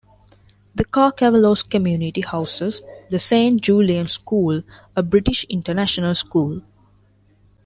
The Carcavelos community houses the Saint Julian's School, a British international school.